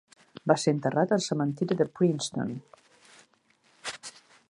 Va ser enterrat al cementiri de Princeton.